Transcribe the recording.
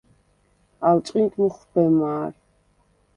ალ ჭყინტ მუხვბე მა̄რ.